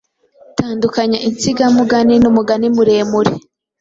Tandukanya insigamugani n’umugani muremure.